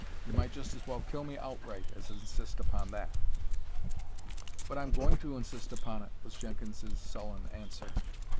You might just as well kill me outright as insist upon that." "But I'm going to insist upon it," was Jenkins's sullen answer.